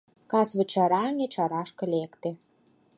Касвычыраҥге чарашке лекте.